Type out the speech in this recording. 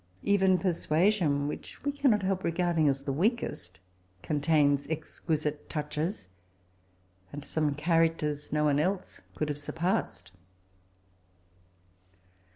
Even Persua sion, which we cannot help regarding as the weakest, contains exquisite touches, and some characters no one else could have surpassed.